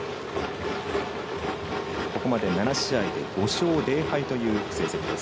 ここまで７試合で５勝０敗という成績です。